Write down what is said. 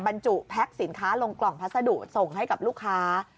บรรจุแพ็คสินค้าลงกล่องพัสดุส่งให้กับลูกค้า